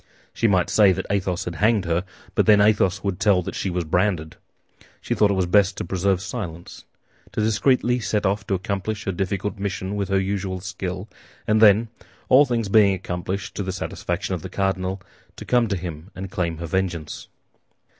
She might say that Athos had hanged her; but then Athos would tell that she was branded. She thought it was best to preserve silence, to discreetly set off to accomplish her difficult mission with her usual skill; and then, all things being accomplished to the satisfaction of the cardinal, to come to him and claim her vengeance.